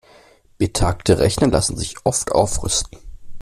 Betagte Rechner lassen sich oft aufrüsten.